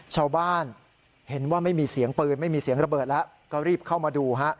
ชาวบ้านเห็นว่าไม่มีเสียงปืนไม่มีเสียงระเบิดแล้วก็รีบเข้ามาดูฮะ